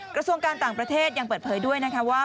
กระทรวงการต่างประเทศยังเปิดเผยด้วยนะคะว่า